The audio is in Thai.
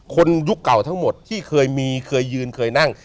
ยุคเก่าทั้งหมดที่เคยมีเคยยืนเคยนั่ง